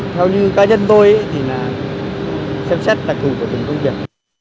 theo cá nhân tôi thì xem xét đặc thủ của từng công việc